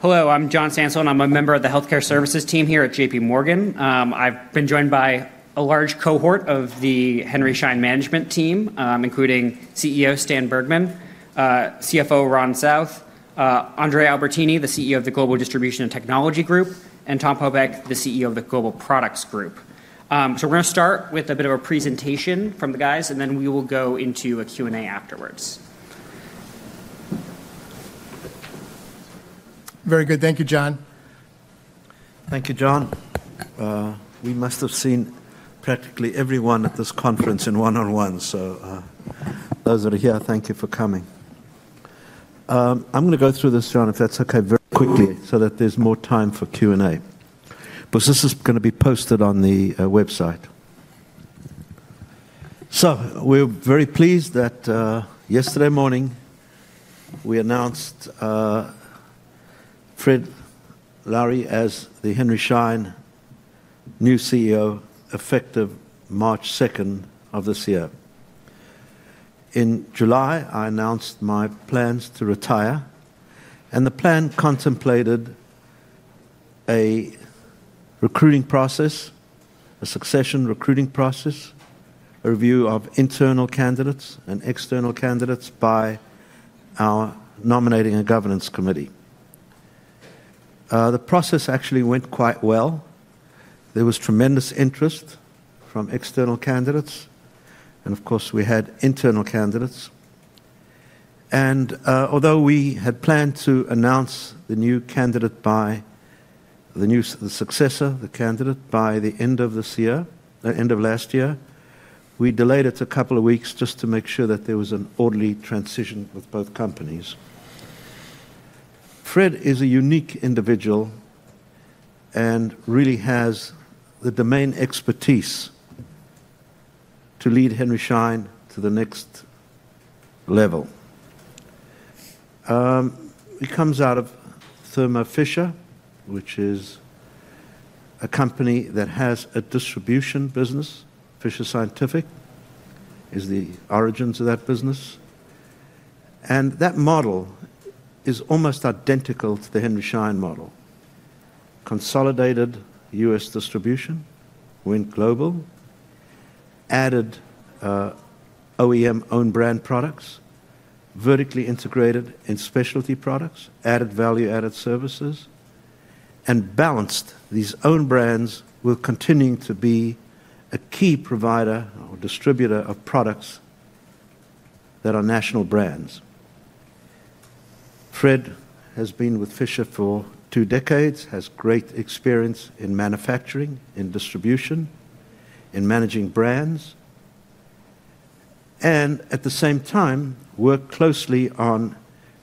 Hello, I'm John Stansel. I'm a member of the Healthcare Services team here at JPMorgan. I've been joined by a large cohort of the Henry Schein management team, including CEO Stan Bergman, CFO Ron South, Andrea Albertini, the CEO of the Global Distribution and Technology Group, and Tom Popeck, the CEO of the Global Products Group. So we're going to start with a bit of a presentation from the guys, and then we will go into a Q&A afterwards. Very good. Thank you, John. Thank you, John. We must have seen practically everyone at this conference in one-on-one. So those that are here, thank you for coming. I'm going to go through this, John, if that's OK, very quickly, so that there's more time for Q&A, because this is going to be posted on the website. So we're very pleased that yesterday morning we announced Fred Lowery as the Henry Schein's new CEO effective March 2 of this year. In July, I announced my plans to retire, and the plan contemplated a recruiting process, a succession recruiting process, a review of internal candidates and external candidates by our Nominating and Governance Committee. The process actually went quite well. There was tremendous interest from external candidates, and of course, we had internal candidates. Although we had planned to announce the new candidate by the new successor, the candidate, by the end of this year, the end of last year, we delayed it a couple of weeks just to make sure that there was an orderly transition with both companies. Fred Lowery is a unique individual and really has the domain expertise to lead Henry Schein to the next level. He comes out of Thermo Fisher, which is a company that has a distribution business. Fisher Scientific is the origins of that business. That model is almost identical to the Henry Schein model: consolidated U.S. distribution, went global, added OEM owned brand products, vertically integrated and specialty products, added value, added services, and balanced these own brands with continuing to be a key provider or distributor of products that are national brands. Fred has been with Fisher for two decades, has great experience in manufacturing, in distribution, in managing brands, and at the same time worked closely on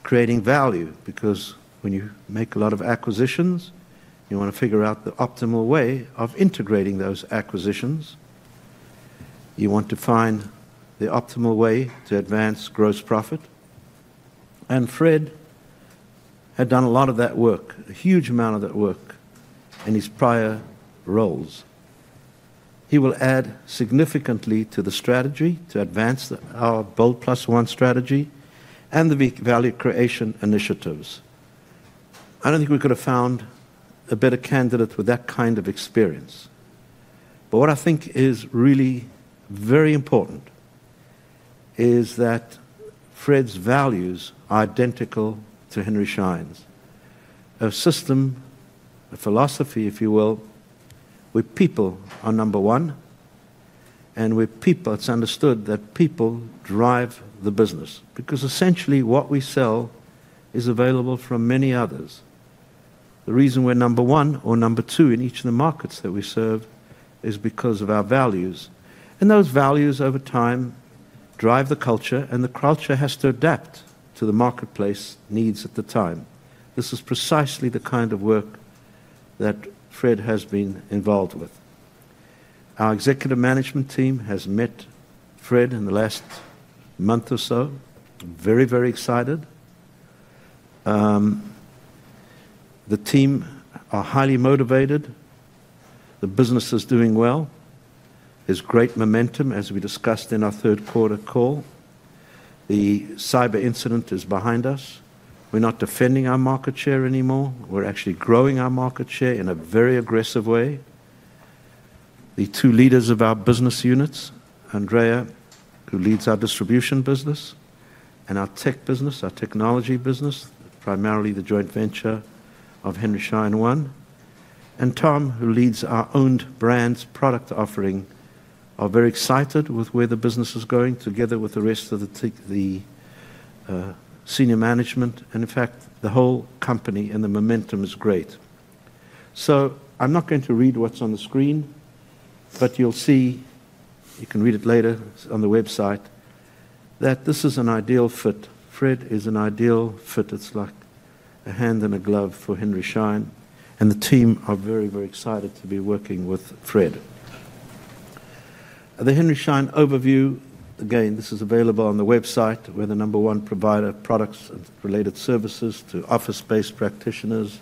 creating value, because when you make a lot of acquisitions, you want to figure out the optimal way of integrating those acquisitions. You want to find the optimal way to advance gross profit. And Fred had done a lot of that work, a huge amount of that work in his prior roles. He will add significantly to the strategy to advance our BOLD+1 strategy and the value creation initiatives. I don't think we could have found a better candidate with that kind of experience. But what I think is really very important is that Fred's values are identical to Henry Schein's: a system, a philosophy, if you will, where people are number one, and where people, it's understood that people drive the business, because essentially what we sell is available from many others. The reason we're number one or number two in each of the markets that we serve is because of our values. And those values over time drive the culture, and the culture has to adapt to the marketplace needs at the time. This is precisely the kind of work that Fred has been involved with. Our executive management team has met Fred in the last month or so. Very, very excited. The team are highly motivated. The business is doing well. There's great momentum, as we discussed in our third quarter call. The cyber incident is behind us. We're not defending our market share anymore. We're actually growing our market share in a very aggressive way. The two leaders of our business units, Andrea, who leads our distribution business, and our tech business, our technology business, primarily the joint venture of Henry Schein One, and Tom, who leads our owned brand's product offering, are very excited with where the business is going together with the rest of the senior management, and in fact, the whole company and the momentum is great, so I'm not going to read what's on the screen, but you'll see you can read it later on the website that this is an ideal fit. Fred is an ideal fit. It's like a hand and a glove for Henry Schein, and the team are very, very excited to be working with Fred. The Henry Schein overview, again, this is available on the website, where the number one provider of products and related services to office-based practitioners,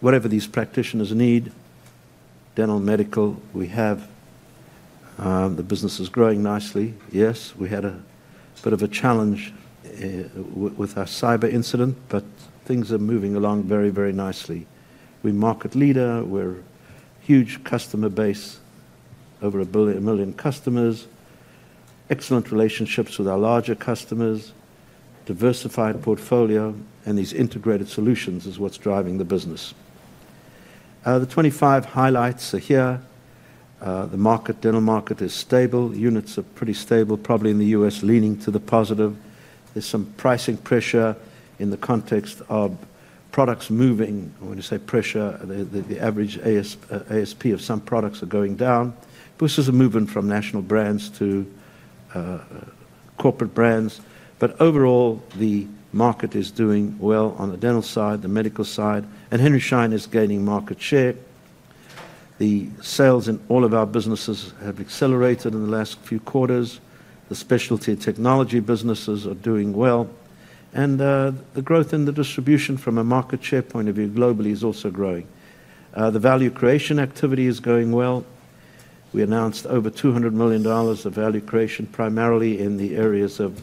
whatever these practitioners need, dental, medical, we have. The business is growing nicely. Yes, we had a bit of a challenge with our cyber incident, but things are moving along very, very nicely. We're market leader. We're a huge customer base, over a million customers, excellent relationships with our larger customers, diversified portfolio, and these integrated solutions is what's driving the business. The 25 highlights are here. The market, dental market, is stable. Units are pretty stable, probably in the U.S. leaning to the positive. There's some pricing pressure in the context of products moving. When you say pressure, the average ASP of some products are going down. This is a movement from national brands to corporate brands. But overall, the market is doing well on the dental side, the medical side, and Henry Schein is gaining market share. The sales in all of our businesses have accelerated in the last few quarters. The specialty technology businesses are doing well. And the growth in the distribution from a market share point of view globally is also growing. The value creation activity is going well. We announced over $200 million of value creation, primarily in the areas of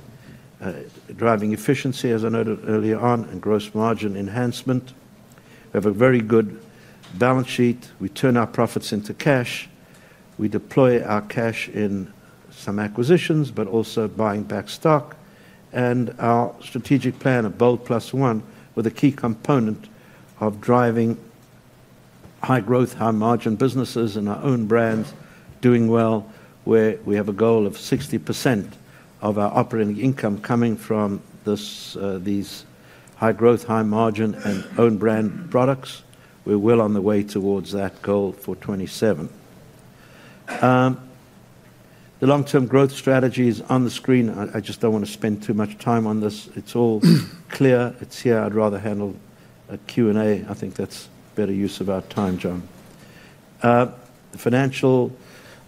driving efficiency, as I noted earlier on, and gross margin enhancement. We have a very good balance sheet. We turn our profits into cash. We deploy our cash in some acquisitions, but also buying back stock. And our strategic plan of BOLD+1, with a key component of driving high growth, high margin businesses and our own brands, doing well, where we have a goal of 60% of our operating income coming from these high growth, high margin, and owned brand products. We're well on the way towards that goal for 2027. The long-term growth strategy is on the screen. I just don't want to spend too much time on this. It's all clear. It's here. I'd rather handle a Q&A. I think that's a better use of our time, John. The financial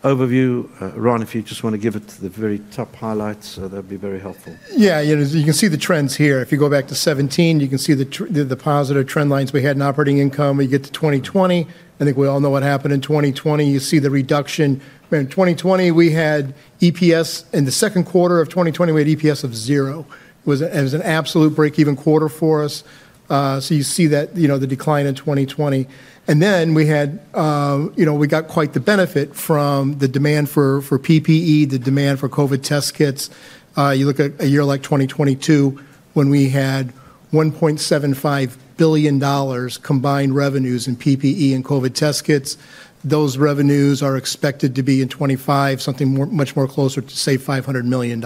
overview, Ron, if you just want to give it to the very top highlights, that'd be very helpful. Yeah. You can see the trends here. If you go back to 2017, you can see the positive trend lines we had in operating income. We get to 2020. I think we all know what happened in 2020. You see the reduction. In 2020, we had EPS in the second quarter of 2020; we had EPS of zero. It was an absolute break-even quarter for us, so you see that the decline in 2020, and then we got quite the benefit from the demand for PPE, the demand for COVID test kits. You look at a year like 2022 when we had $1.75 billion combined revenues in PPE and COVID test kits. Those revenues are expected to be in 2025 something much more closer to, say, $500 million.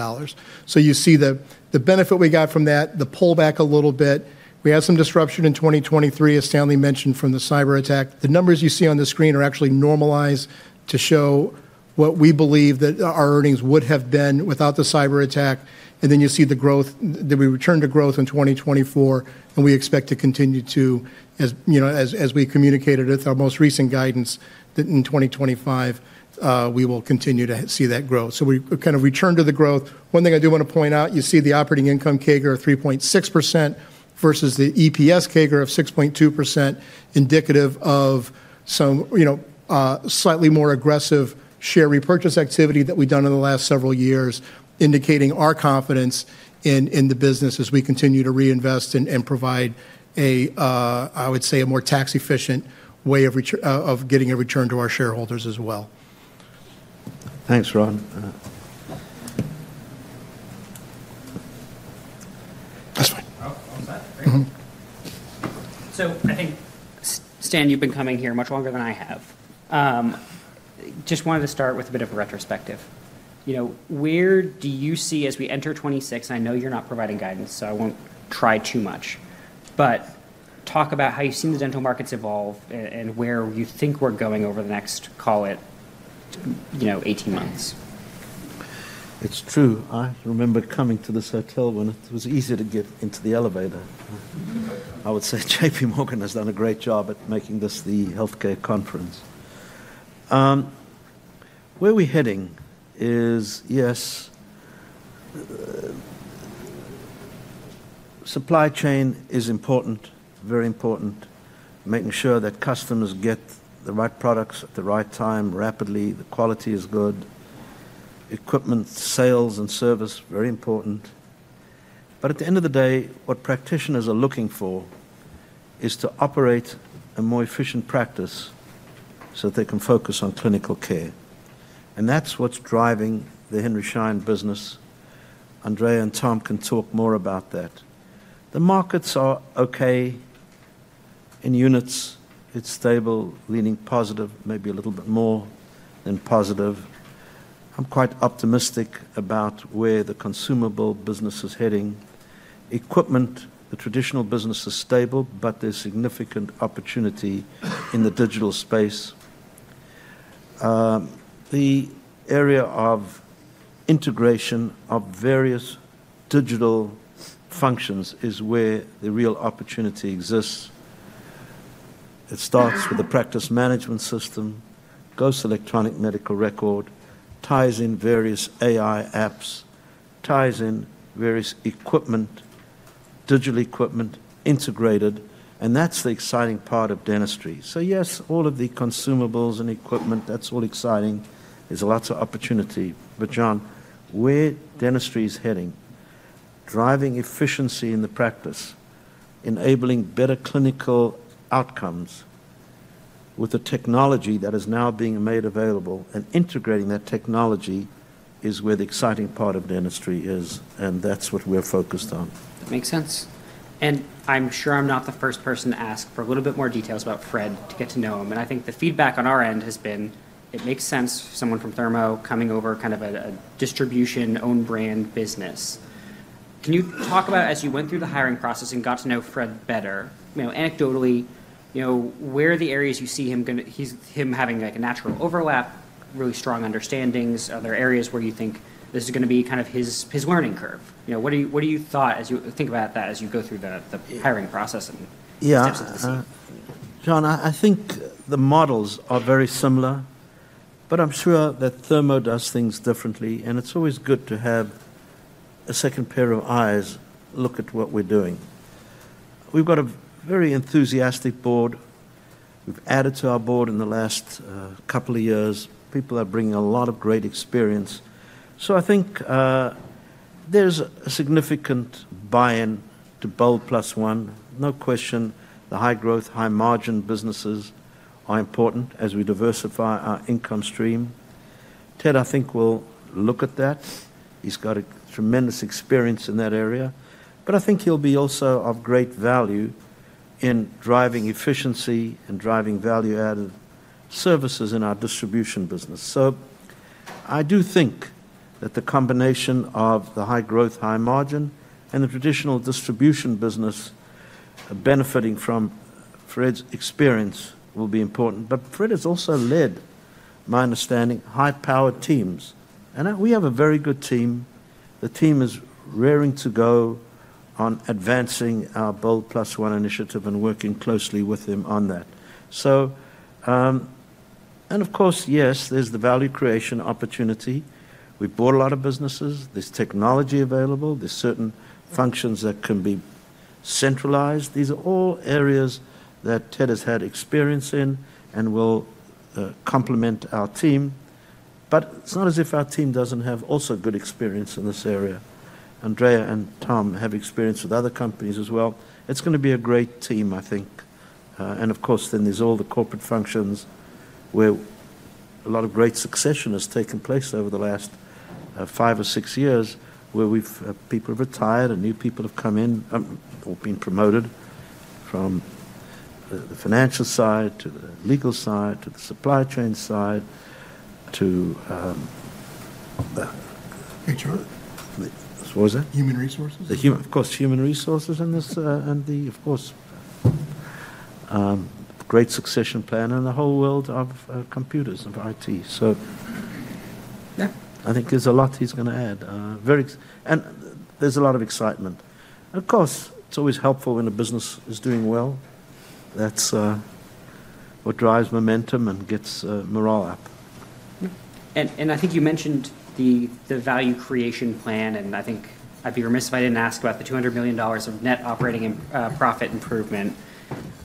So you see the benefit we got from that, the pullback a little bit. We had some disruption in 2023, as Stanley mentioned, from the cyber attack. The numbers you see on the screen are actually normalized to show what we believe that our earnings would have been without the cyber attack, and then you see the growth. We returned to growth in 2024, and we expect to continue to, as we communicated with our most recent guidance, that in 2025 we will continue to see that growth, so we kind of returned to the growth. One thing I do want to point out, you see the operating income CAGR of 3.6% versus the EPS CAGR of 6.2%, indicative of some slightly more aggressive share repurchase activity that we've done in the last several years, indicating our confidence in the business as we continue to reinvest and provide, I would say, a more tax-efficient way of getting a return to our shareholders as well. Thanks, Ron. That's fine. Oh, all set. I think, Stan, you've been coming here much longer than I have. Just wanted to start with a bit of a retrospective. Where do you see as we enter 2026? I know you're not providing guidance, so I won't try too much, but talk about how you've seen the dental markets evolve and where you think we're going over the next, call it, 18 months. It's true. I remember coming to the hotel when it was easy to get into the elevator. I would say J.P. Morgan has done a great job at making this the healthcare conference. Where we're heading is, yes, supply chain is important, very important, making sure that customers get the right products at the right time rapidly. The quality is good. Equipment, sales, and service are very important. But at the end of the day, what practitioners are looking for is to operate a more efficient practice so that they can focus on clinical care. And that's what's driving the Henry Schein business. Andrea and Tom can talk more about that. The markets are OK in units. It's stable, leaning positive, maybe a little bit more than positive. I'm quite optimistic about where the consumable business is heading. Equipment, the traditional business is stable, but there's significant opportunity in the digital space. The area of integration of various digital functions is where the real opportunity exists. It starts with the practice management system, goes to electronic medical record, ties in various AI apps, ties in various equipment, digital equipment integrated, and that's the exciting part of dentistry, so yes, all of the consumables and equipment, that's all exciting. There's lots of opportunity, but John, where dentistry is heading, driving efficiency in the practice, enabling better clinical outcomes with the technology that is now being made available and integrating that technology is where the exciting part of dentistry is, and that's what we're focused on. That makes sense. And I'm sure I'm not the first person to ask for a little bit more details about Fred to get to know him. And I think the feedback on our end has been, it makes sense, someone from Thermo coming over kind of a distribution owned brand business. Can you talk about, as you went through the hiring process and got to know Fred better, anecdotally, where are the areas you see him having a natural overlap, really strong understandings? Are there areas where you think this is going to be kind of his learning curve? What do you think about that as you go through the hiring process and steps that he's taking? Yeah. John, I think the models are very similar, but I'm sure that Thermo does things differently, and it's always good to have a second pair of eyes look at what we're doing. We've got a very enthusiastic board. We've added to our board in the last couple of years. People are bringing a lot of great experience, so I think there's a significant buy-in to BOLD+1. No question, the high growth, high margin businesses are important as we diversify our income stream. Fred, I think, will look at that. He's got tremendous experience in that area, but I think he'll be also of great value in driving efficiency and driving value-added services in our distribution business, so I do think that the combination of the high growth, high margin, and the traditional distribution business benefiting from Fred's experience will be important. But Fred has also led, my understanding, high-powered teams. And we have a very good team. The team is raring to go on advancing our BOLD+1 initiative and working closely with them on that. And of course, yes, there's the value creation opportunity. We bought a lot of businesses. There's technology available. There's certain functions that can be centralized. These are all areas that Fred has had experience in and will complement our team. But it's not as if our team doesn't have also good experience in this area. Andrea and Tom have experience with other companies as well. It's going to be a great team, I think. Of course, then there's all the corporate functions where a lot of great succession has taken place over the last five or six years where people have retired and new people have come in or been promoted from the financial side to the legal side to the supply chain side to. HR? What was that? Human resources? Of course, human resources and the great succession plan and the whole world of computers, of IT, so I think there's a lot he's going to add, and there's a lot of excitement. Of course, it's always helpful when a business is doing well. That's what drives momentum and gets morale up. I think you mentioned the value creation plan. I think I'd be remiss if I didn't ask about the $200 million of net operating profit improvement.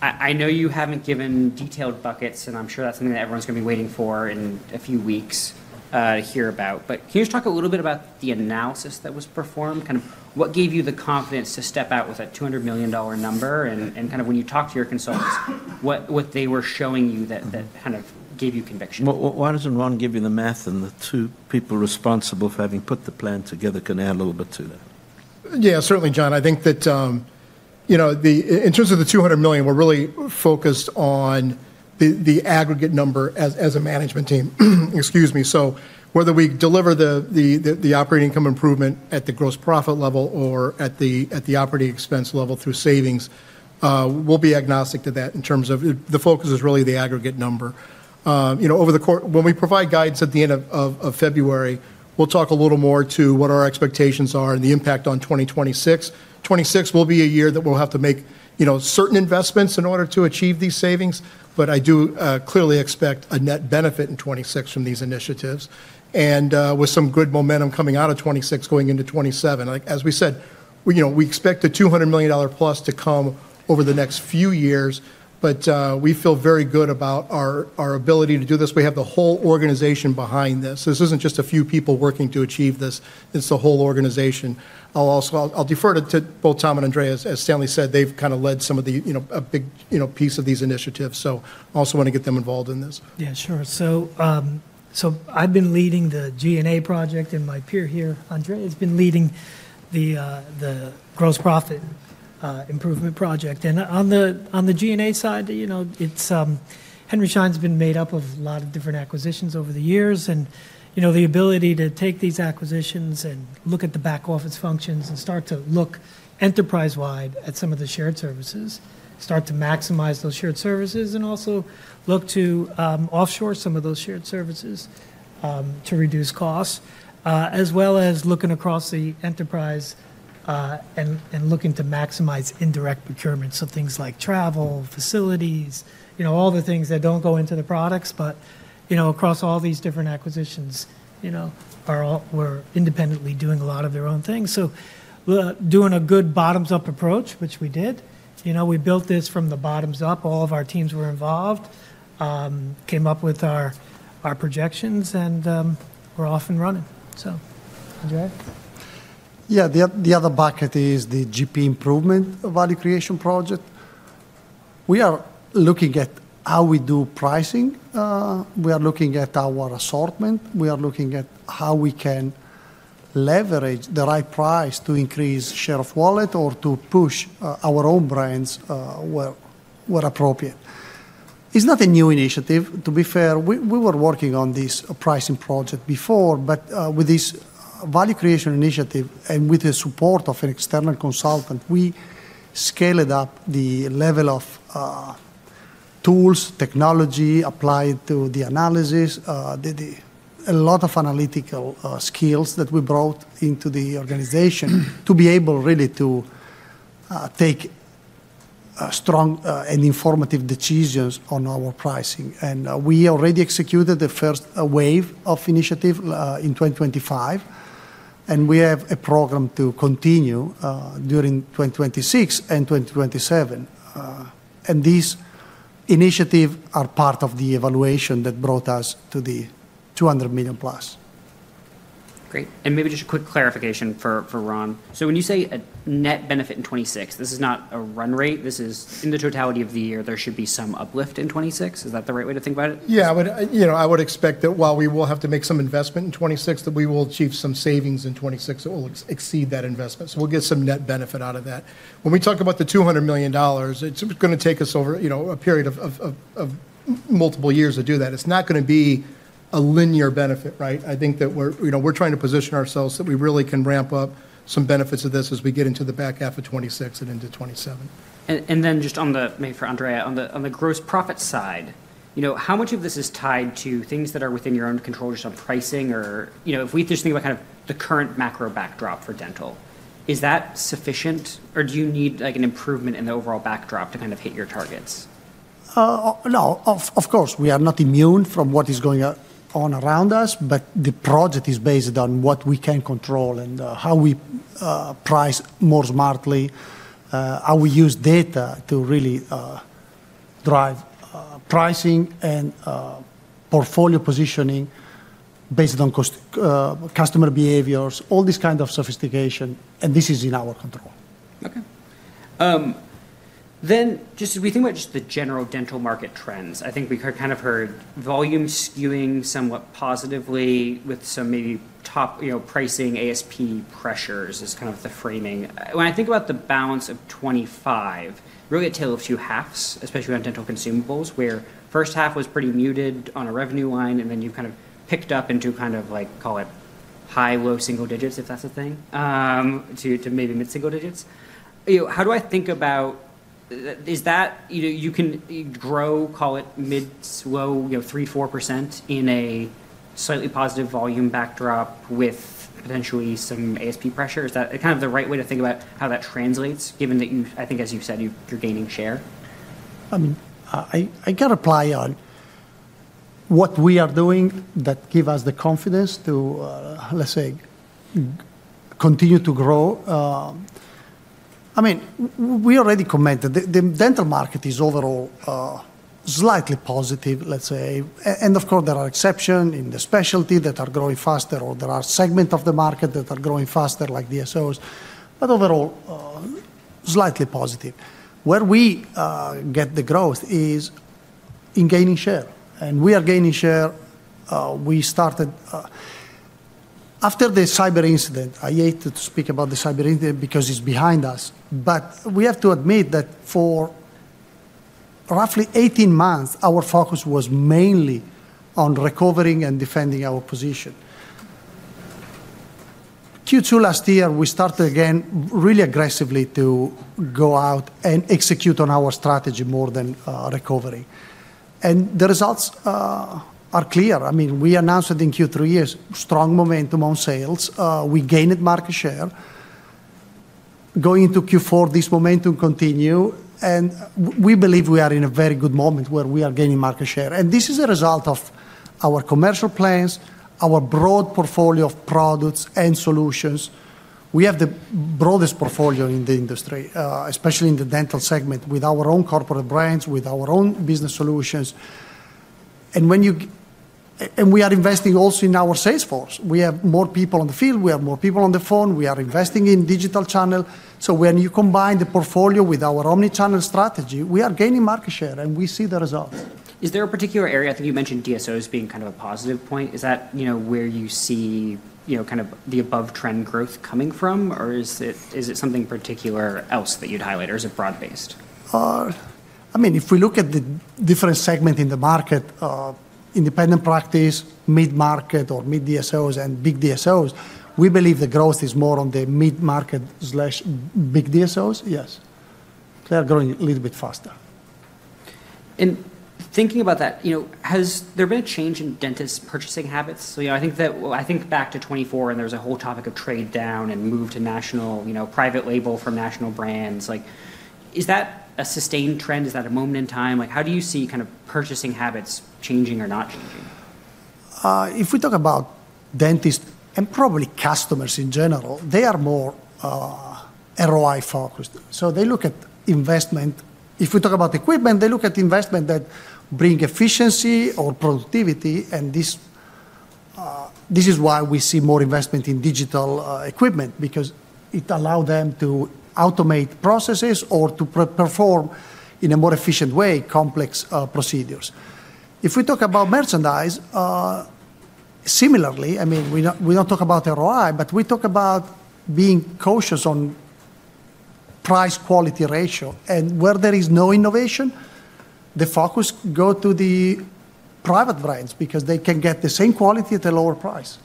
I know you haven't given detailed buckets, and I'm sure that's something that everyone's going to be waiting for in a few weeks to hear about. But can you just talk a little bit about the analysis that was performed? Kind of what gave you the confidence to step out with a $200 million number? And kind of when you talked to your consultants, what they were showing you that kind of gave you conviction? Why doesn't Ron give you the math, and the two people responsible for having put the plan together can add a little bit to that? Yeah, certainly, John. I think that in terms of the $200 million, we're really focused on the aggregate number as a management team. Excuse me. So whether we deliver the operating income improvement at the gross profit level or at the operating expense level through savings, we'll be agnostic to that in terms of the focus is really the aggregate number. When we provide guidance at the end of February, we'll talk a little more to what our expectations are and the impact on 2026. 2026 will be a year that we'll have to make certain investments in order to achieve these savings. But I do clearly expect a net benefit in 2026 from these initiatives and with some good momentum coming out of 2026 going into 2027. As we said, we expect the $200 million plus to come over the next few years. But we feel very good about our ability to do this. We have the whole organization behind this. This isn't just a few people working to achieve this. It's the whole organization. I'll defer to both Tom and Andrea. As Stanley said, they've kind of led some of a big piece of these initiatives. So I also want to get them involved in this. Yeah, sure, so I've been leading the G&A project, and my peer here, Andrea, has been leading the gross profit improvement project, and on the G&A side, Henry Schein's been made up of a lot of different acquisitions over the years, and the ability to take these acquisitions and look at the back office functions and start to look enterprise-wide at some of the shared services, start to maximize those shared services, and also look to offshore some of those shared services to reduce costs, as well as looking across the enterprise and looking to maximize indirect procurement, so things like travel, facilities, all the things that don't go into the products, but across all these different acquisitions, we're independently doing a lot of their own things, so doing a good bottoms-up approach, which we did. We built this from the bottoms up. All of our teams were involved, came up with our projections, and we're off and running. So, Andrea. Yeah. The other bucket is the GP improvement value creation project. We are looking at how we do pricing. We are looking at our assortment. We are looking at how we can leverage the right price to increase share of wallet or to push our own brands where appropriate. It's not a new initiative. To be fair, we were working on this pricing project before, but with this value creation initiative and with the support of an external consultant, we scaled up the level of tools, technology applied to the analysis, a lot of analytical skills that we brought into the organization to be able really to take strong and informative decisions on our pricing. And we already executed the first wave of initiative in 2025. And we have a program to continue during 2026 and 2027. These initiatives are part of the evaluation that brought us to the $200 million plus. Great and maybe just a quick clarification for Ron. So when you say net benefit in 2026, this is not a run rate. This is in the totality of the year, there should be some uplift in 2026. Is that the right way to think about it? Yeah. I would expect that while we will have to make some investment in 2026, that we will achieve some savings in 2026 that will exceed that investment, so we'll get some net benefit out of that. When we talk about the $200 million, it's going to take us over a period of multiple years to do that. It's not going to be a linear benefit, right? I think that we're trying to position ourselves that we really can ramp up some benefits of this as we get into the back half of 2026 and into 2027. And then just maybe for Andrea, on the gross profit side, how much of this is tied to things that are within your own control, just on pricing? Or if we just think about kind of the current macro backdrop for dental, is that sufficient? Or do you need an improvement in the overall backdrop to kind of hit your targets? No. Of course, we are not immune from what is going on around us, but the project is based on what we can control and how we price more smartly, how we use data to really drive pricing and portfolio positioning based on customer behaviors, all these kinds of sophistication, and this is in our control. Okay. Then just as we think about just the general dental market trends, I think we kind of heard volume skewing somewhat positively with some maybe top pricing ASP pressures as kind of the framing. When I think about the balance of 2025, really a tale of two halves, especially on dental consumables, where first half was pretty muted on a revenue line, and then you kind of picked up into kind of, call it high, low single digits, if that's a thing, to maybe mid-single digits. How do I think about is that you can grow, call it mid-slow, 3-4% in a slightly positive volume backdrop with potentially some ASP pressure. Is that kind of the right way to think about how that translates, given that you, I think, as you said, you're gaining share? I mean, I can elaborate on what we are doing that gives us the confidence to, let's say, continue to grow. I mean, we already commented. The dental market is overall slightly positive, let's say, and of course, there are exceptions in the specialty that are growing faster, or there are segments of the market that are growing faster, like DSOs, but overall, slightly positive. Where we get the growth is in gaining share, and we are gaining share. We started after the cyber incident. I hate to speak about the cyber incident because it's behind us, but we have to admit that for roughly 18 months, our focus was mainly on recovering and defending our position. Q2 last year, we started again really aggressively to go out and execute on our strategy more than recovering, and the results are clear. I mean, we announced it in Q3, strong momentum on sales. We gained market share. Going into Q4, this momentum continued, and we believe we are in a very good moment where we are gaining market share, and this is a result of our commercial plans, our broad portfolio of products and solutions. We have the broadest portfolio in the industry, especially in the dental segment, with our own corporate brands, with our own business solutions, and we are investing also in our sales force. We have more people on the field. We have more people on the phone. We are investing in digital channel, so when you combine the portfolio with our omnichannel strategy, we are gaining market share, and we see the results. Is there a particular area? I think you mentioned DSOs being kind of a positive point. Is that where you see kind of the above-trend growth coming from? Or is it something particular else that you'd highlight? Or is it broad-based? I mean, if we look at the different segments in the market, independent practice, mid-market, or mid-DSOs and big DSOs, we believe the growth is more on the mid-market/big DSOs, yes. They're growing a little bit faster. Thinking about that, has there been a change in dentists' purchasing habits? I think back to 2024, and there was a whole topic of trade down and move to national private label for national brands. Is that a sustained trend? Is that a moment in time? How do you see kind of purchasing habits changing or not changing? If we talk about dentists and probably customers in general, they are more ROI-focused. So they look at investment. If we talk about equipment, they look at investment that brings efficiency or productivity. And this is why we see more investment in digital equipment, because it allows them to automate processes or to perform in a more efficient way complex procedures. If we talk about merchandise, similarly, I mean, we don't talk about ROI, but we talk about being cautious on price-quality ratio. And where there is no innovation, the focus goes to the private brands because they can get the same quality at a lower price.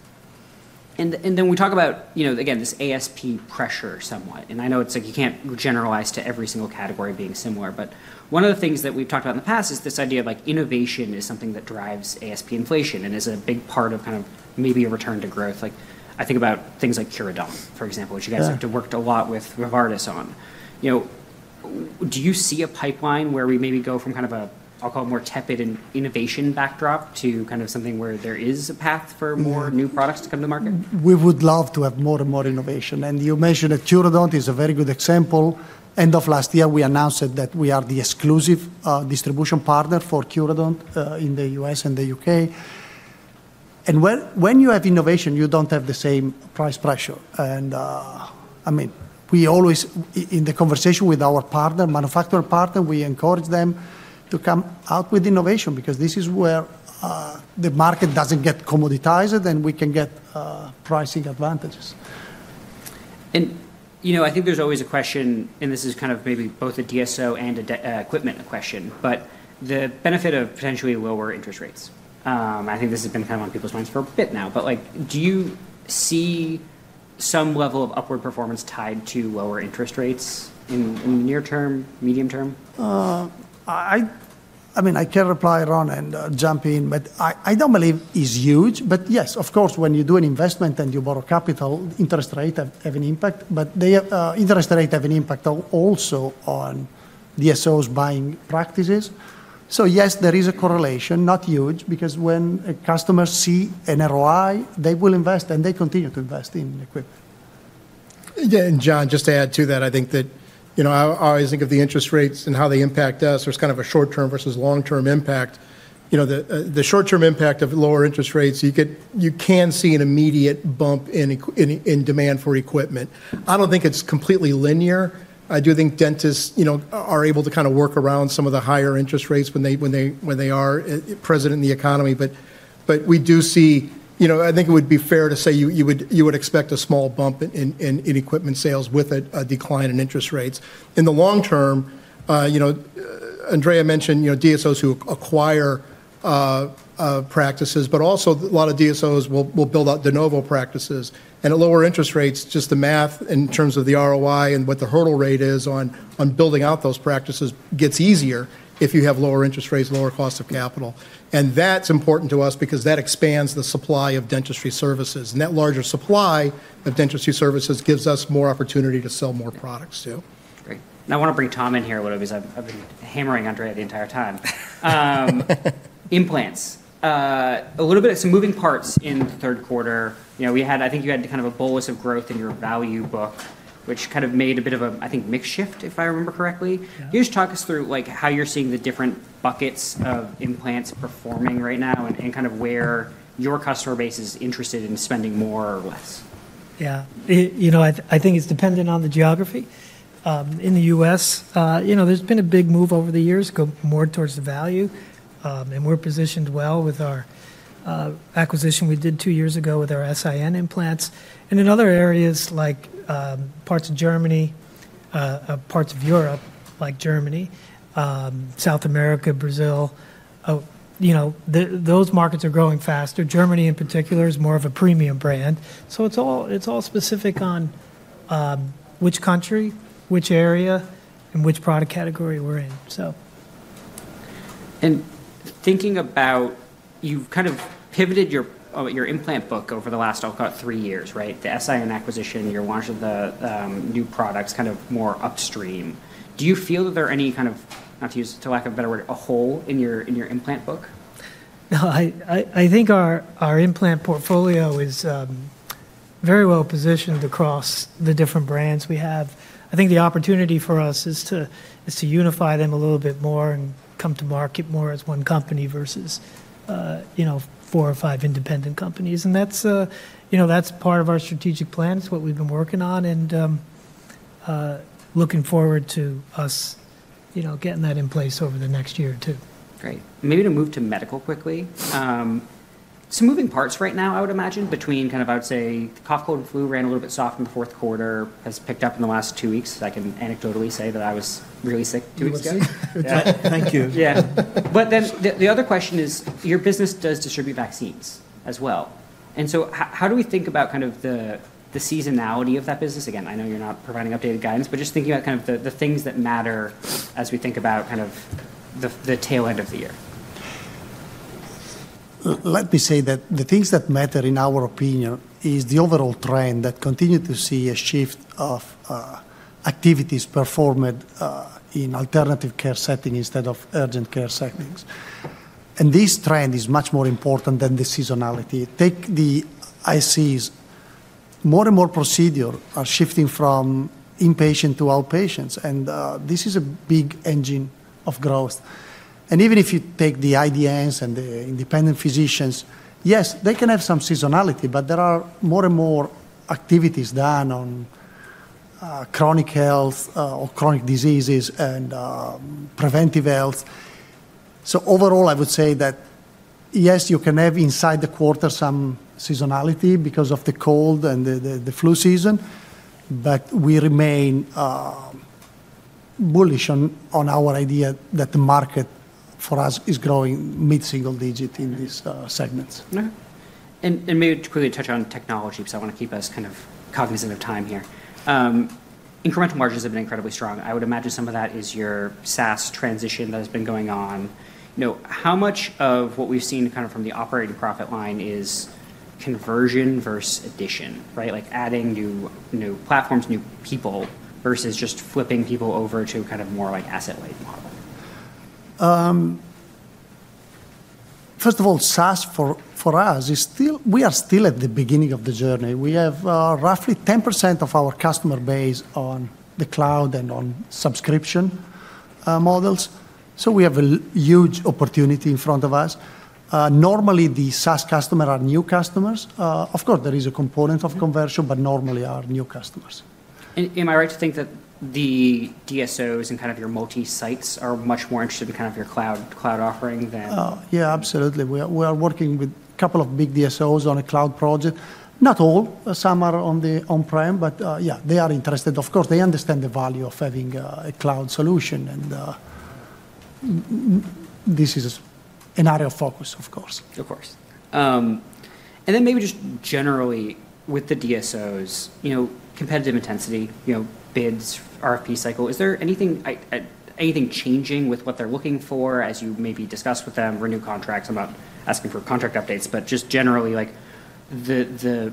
And then we talk about, again, this ASP pressure somewhat. And I know it's like you can't generalize to every single category being similar. But one of the things that we've talked about in the past is this idea of innovation is something that drives ASP inflation and is a big part of kind of maybe a return to growth. I think about things like Curaden, for example, which you guys have worked a lot with vVARDIS on. Do you see a pipeline where we maybe go from kind of a, I'll call it more tepid and innovation backdrop to kind of something where there is a path for more new products to come to market? We would love to have more and more innovation. And you mentioned that Curaden is a very good example. End of last year, we announced that we are the exclusive distribution partner for Curaden in the U.S. and the U.K. And when you have innovation, you don't have the same price pressure. And I mean, we always, in the conversation with our manufacturing partner, we encourage them to come out with innovation because this is where the market doesn't get commoditized, and we can get pricing advantages. I think there's always a question, and this is kind of maybe both a DSO and equipment question, but the benefit of potentially lower interest rates. I think this has been kind of on people's minds for a bit now. Do you see some level of upward performance tied to lower interest rates in the near term, medium term? I mean, I can't rely on and jump in, but I don't believe it's huge. But yes, of course, when you do an investment and you borrow capital, interest rates have an impact. But interest rates have an impact also on DSOs buying practices. So yes, there is a correlation, not huge, because when customers see an ROI, they will invest, and they continue to invest in equipment. Yeah. And John, just to add to that, I think that I always think of the interest rates and how they impact us. There's kind of a short-term versus long-term impact. The short-term impact of lower interest rates, you can see an immediate bump in demand for equipment. I don't think it's completely linear. I do think dentists are able to kind of work around some of the higher interest rates when they are present in the economy. But we do see. I think it would be fair to say you would expect a small bump in equipment sales with a decline in interest rates. In the long term, Andrea mentioned DSOs who acquire practices, but also a lot of DSOs will build out de novo practices. At lower interest rates, just the math in terms of the ROI and what the hurdle rate is on building out those practices gets easier if you have lower interest rates, lower cost of capital. That's important to us because that expands the supply of dentistry services. That larger supply of dentistry services gives us more opportunity to sell more products too. Great. And I want to bring Tom in here, what I was hammering on, Andrea, the entire time. Implants. A little bit of some moving parts in the third quarter. I think you had kind of a bolus of growth in your value book, which kind of made a bit of a, I think, mixed shift, if I remember correctly. Can you just talk us through how you're seeing the different buckets of implants performing right now and kind of where your customer base is interested in spending more or less? Yeah. I think it's dependent on the geography. In the U.S., there's been a big move over the years to go more towards the value. And we're positioned well with our acquisition we did two years ago with our S.I.N. implants. And in other areas like parts of Germany, parts of Europe like Germany, South America, Brazil, those markets are growing faster. Germany, in particular, is more of a premium brand. So it's all specific on which country, which area, and which product category we're in, so. Thinking about you've kind of pivoted your implant book over the last, I'll call it, three years, right? The S.I.N. acquisition, your launch of the new products, kind of more upstream. Do you feel that there are any kind of, not to use a lack of a better word, a hole in your implant book? No. I think our implant portfolio is very well positioned across the different brands we have. I think the opportunity for us is to unify them a little bit more and come to market more as one company versus four or five independent companies, and that's part of our strategic plan. It's what we've been working on and looking forward to us getting that in place over the next year or two. Great. Maybe to move to medical quickly. Some moving parts right now, I would imagine, between kind of, I would say, cough, cold, and flu ran a little bit soft in the fourth quarter, has picked up in the last two weeks. I can anecdotally say that I was really sick two weeks ago. Thank you. Yeah. But then the other question is your business does distribute vaccines as well. And so how do we think about kind of the seasonality of that business? Again, I know you're not providing updated guidance, but just thinking about kind of the things that matter as we think about kind of the tail end of the year. Let me say that the things that matter, in our opinion, is the overall trend that continues to see a shift of activities performed in alternative care settings instead of urgent care settings, and this trend is much more important than the seasonality. Take the ICs. More and more procedures are shifting from inpatient to outpatients, and this is a big engine of growth, and even if you take the IDNs and the independent physicians, yes, they can have some seasonality, but there are more and more activities done on chronic health or chronic diseases and preventive health, so overall, I would say that, yes, you can have inside the quarter some seasonality because of the cold and the flu season, but we remain bullish on our idea that the market for us is growing mid-single digit in these segments. Okay. And maybe quickly touch on technology because I want to keep us kind of cognizant of time here. Incremental margins have been incredibly strong. I would imagine some of that is your SaaS transition that has been going on. How much of what we've seen kind of from the operating profit line is conversion versus addition, right? Like adding new platforms, new people, versus just flipping people over to kind of more like asset-weighted model? First of all, SaaS for us is still. We are still at the beginning of the journey. We have roughly 10% of our customer base on the cloud and on subscription models. So we have a huge opportunity in front of us. Normally, the SaaS customers are new customers. Of course, there is a component of conversion, but normally are new customers. Am I right to think that the DSOs and kind of your multi-sites are much more interested in kind of your cloud offering than? Yeah, absolutely. We are working with a couple of big DSOs on a cloud project. Not all. Some are on the on-prem, but yeah, they are interested. Of course, they understand the value of having a cloud solution. And this is an area of focus, of course. Of course. And then maybe just generally, with the DSOs, competitive intensity, bids, RFP cycle, is there anything changing with what they're looking for as you maybe discuss with them renew contracts? I'm not asking for contract updates, but just generally, the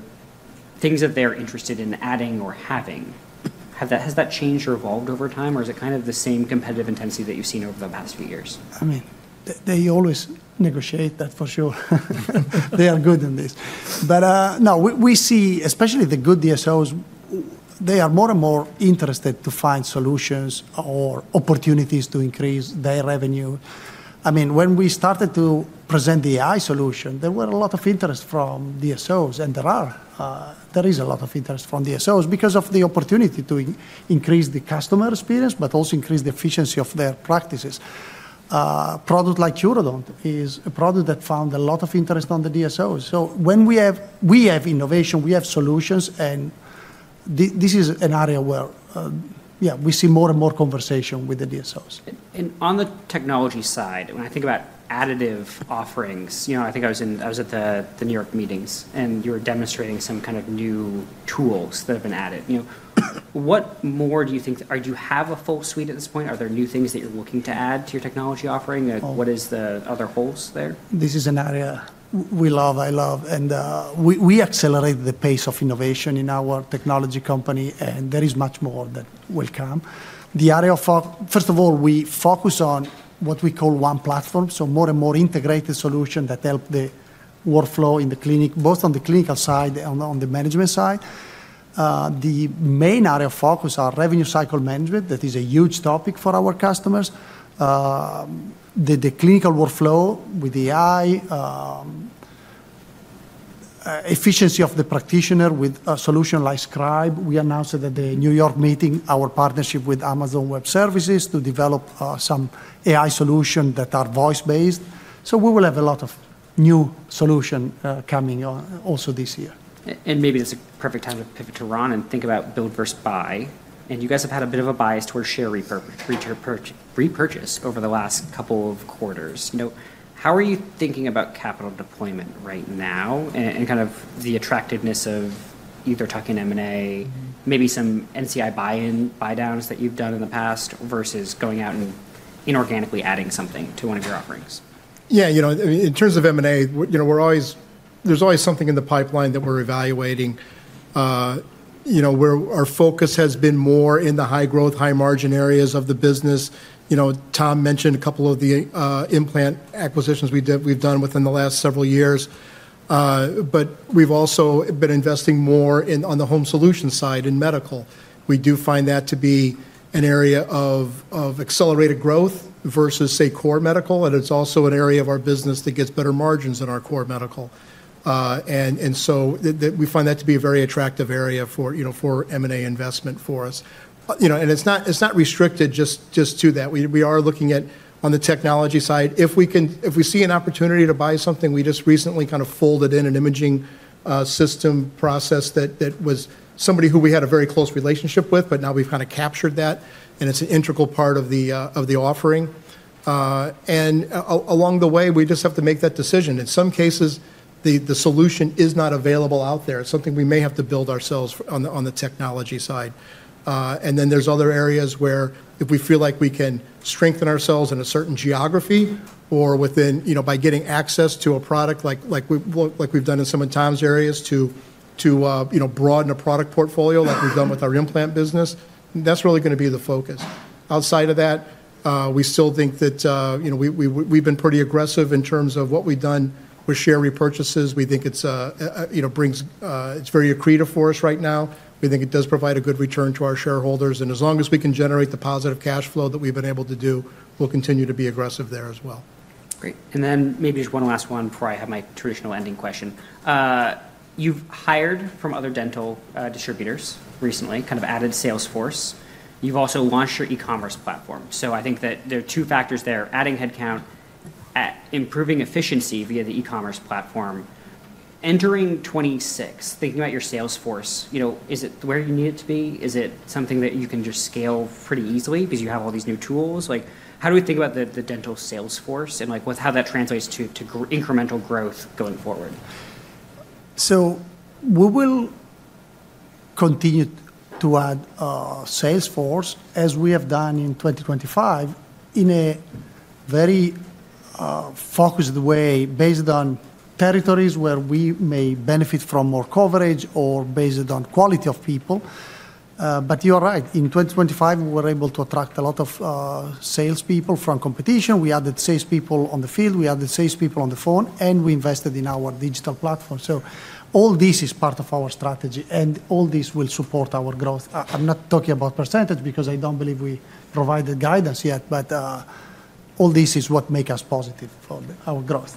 things that they're interested in adding or having, has that changed or evolved over time? Or is it kind of the same competitive intensity that you've seen over the past few years? I mean, they always negotiate that, for sure. They are good in this. But no, we see, especially the good DSOs, they are more and more interested to find solutions or opportunities to increase their revenue. I mean, when we started to present the AI solution, there were a lot of interest from DSOs, and there are. There is a lot of interest from DSOs because of the opportunity to increase the customer experience, but also increase the efficiency of their practices. A product like Curaden is a product that found a lot of interest on the DSOs. So when we have innovation, we have solutions, and this is an area where, yeah, we see more and more conversation with the DSOs. On the technology side, when I think about additive offerings, I think I was at the New York meetings, and you were demonstrating some kind of new tools that have been added. What more do you think? Do you have a full suite at this point? Are there new things that you're looking to add to your technology offering? What is the other holes there? This is an area we love, I love, and we accelerate the pace of innovation in our technology company, and there is much more that will come. The area of, first of all, we focus on what we call one platform, so more and more integrated solutions that help the workflow in the clinic, both on the clinical side and on the management side. The main area of focus is revenue cycle management. That is a huge topic for our customers. The clinical workflow with the AI, efficiency of the practitioner with a solution like Scribe. We announced at the New York meeting our partnership with Amazon Web Services to develop some AI solutions that are voice-based, so we will have a lot of new solutions coming also this year. And maybe this is a perfect time to pivot to Ron and think about build versus buy. And you guys have had a bit of a bias towards share repurchase over the last couple of quarters. How are you thinking about capital deployment right now and kind of the attractiveness of either talking M&A, maybe some NCI buy-downs that you've done in the past versus going out and inorganically adding something to one of your offerings? Yeah. In terms of M&A, there's always something in the pipeline that we're evaluating where our focus has been more in the high-growth, high-margin areas of the business. Tom mentioned a couple of the implant acquisitions we've done within the last several years, but we've also been investing more on the home solution side in medical. We do find that to be an area of accelerated growth versus, say, core medical, and it's also an area of our business that gets better margins than our core medical, and so we find that to be a very attractive area for M&A investment for us, and it's not restricted just to that. We are looking at, on the technology side, if we see an opportunity to buy something. We just recently kind of folded in an imaging system process that was somebody who we had a very close relationship with, but now we've kind of captured that. And it's an integral part of the offering. And along the way, we just have to make that decision. In some cases, the solution is not available out there. It's something we may have to build ourselves on the technology side. And then there's other areas where if we feel like we can strengthen ourselves in a certain geography or by getting access to a product like we've done in some of Tom's areas to broaden a product portfolio like we've done with our implant business, that's really going to be the focus. Outside of that, we still think that we've been pretty aggressive in terms of what we've done with share repurchases. We think it's very accretive for us right now. We think it does provide a good return to our shareholders. And as long as we can generate the positive cash flow that we've been able to do, we'll continue to be aggressive there as well. Great. And then maybe just one last one before I have my traditional ending question. You've hired from other dental distributors recently, kind of added sales force. You've also launched your e-commerce platform. So I think that there are two factors there: adding headcount, improving efficiency via the e-commerce platform. Entering '26, thinking about your sales force, is it where you need it to be? Is it something that you can just scale pretty easily because you have all these new tools? How do we think about the dental sales force and how that translates to incremental growth going forward? So we will continue to add sales force as we have done in 2025 in a very focused way based on territories where we may benefit from more coverage or based on quality of people. But you're right. In 2025, we were able to attract a lot of salespeople from competition. We added salespeople on the field. We added salespeople on the phone, and we invested in our digital platform. So all this is part of our strategy, and all this will support our growth. I'm not talking about percentage because I don't believe we provided guidance yet, but all this is what makes us positive for our growth.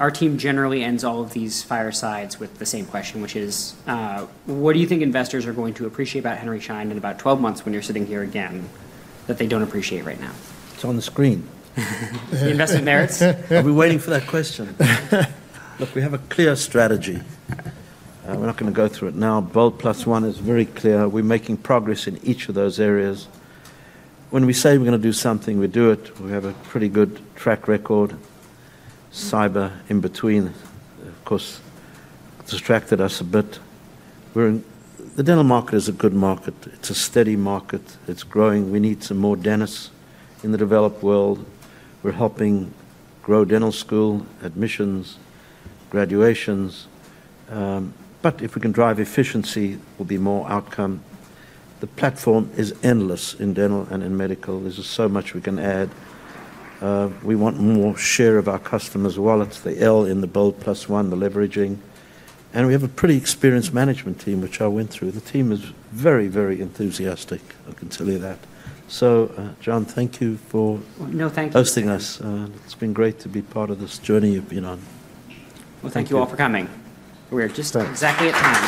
Our team generally ends all of these firesides with the same question, which is, what do you think investors are going to appreciate about Henry Schein in about 12 months when you're sitting here again that they don't appreciate right now? It's on the screen. The investment merits? Are we waiting for that question? Look, we have a clear strategy. We're not going to go through it now. BOLD+1 is very clear. We're making progress in each of those areas. When we say we're going to do something, we do it. We have a pretty good track record. Cyber, in between, of course, distracted us a bit. The dental market is a good market. It's a steady market. It's growing. We need some more dentists in the developed world. We're helping grow dental school admissions, graduations, but if we can drive efficiency, there will be more outcome. The platform is endless in dental and in medical. There's so much we can add. We want more share of our customers' wallets. The L in the BOLD+1, the leveraging, and we have a pretty experienced management team, which I went through. The team is very, very enthusiastic. I can tell you that. So, John, thank you for. No, thank you. Hosting us. It's been great to be part of this journey you've been on. Thank you all for coming. We're just exactly at time.